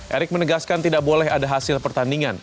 erick menegaskan tidak boleh ada hasil pertandingan